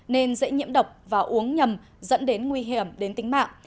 nên dễ nhiễm độc và uống nhầm dẫn đến nguy hiểm đến tính mạng